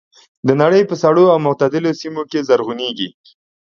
د نړۍ په سړو او معتدلو سیمو کې زرغونېږي.